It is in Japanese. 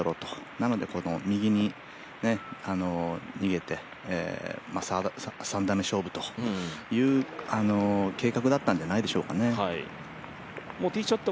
なので右に逃げて、３打目の勝負という計画だったんじゃないでしょうかね。